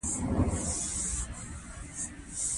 دښته بېصبره خلک نه زغمي.